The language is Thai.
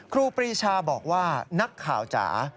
ครูปรีชาบอกว่านักข่าวจ๋า